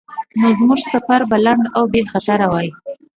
نو زموږ سفر به لنډ او بیخطره وای.